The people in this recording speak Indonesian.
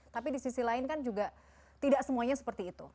tapi di sisi lain kan juga tidak semuanya seperti itu